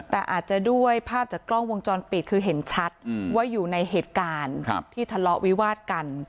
แต่อาจจะด้วยภาพจากกล้องวงจรปิดคือเห็นชัดว่าอยู่ในเหตุการณ์ที่ทะเลาะวิวาดกัน